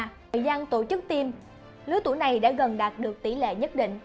trong thời gian tổ chức tiêm lứa tuổi này đã gần đạt được tỷ lệ nhất định